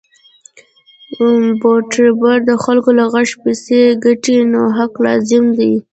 یوټوبر د خلکو له غږ پیسې ګټي نو حق لازم دی.